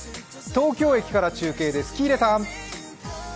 東京駅から中継です。